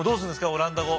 オランダ語。